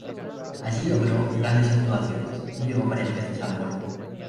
Allí logró grandes actuaciones y llegó varias veces al Gol.